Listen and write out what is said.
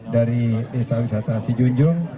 dari desa wisata sijunjung